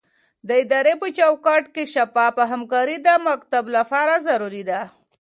د ادارې په چوکاټ کې شفافه همکاري د پرمختګ لپاره ضروري ده.